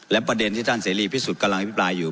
และประเด็นที่ท่านเสรีพิสุทธิ์กำลังอภิปรายอยู่